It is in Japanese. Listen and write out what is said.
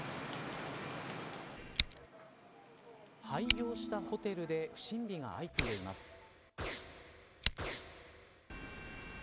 廃業したホテルで不審火が相次いでいます。